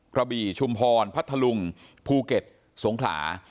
พระบีชุมธรพระทะลุงภูเก็ตสวงขลา